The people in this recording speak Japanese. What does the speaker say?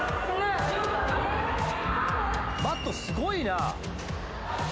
マットすごいな。